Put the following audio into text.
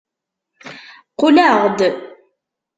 Qqleɣ-d.